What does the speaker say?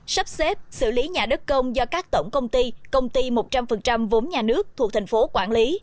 sắp xếp xử lý nhà đất công do các tổng công ty công ty một trăm linh vốn nhà nước thuộc thành phố quản lý